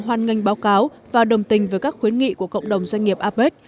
hoan nghênh báo cáo và đồng tình với các khuyến nghị của cộng đồng doanh nghiệp apec